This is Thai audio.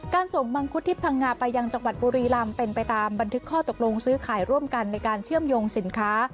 ส่งมังคุดที่พังงาไปยังจังหวัดบุรีลำเป็นไปตามบันทึกข้อตกลงซื้อขายร่วมกันในการเชื่อมโยงสินค้า